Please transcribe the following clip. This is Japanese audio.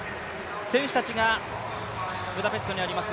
選手たちがブダペストにあります